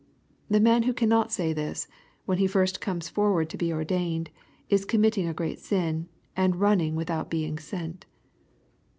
The man who cannot say this, when he comes forward to be ordained, is committing a great sin, and running without being sent.